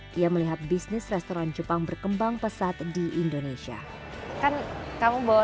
dia tiap was up menjadi pemenung seperti dateng karaoke dan sel globe lo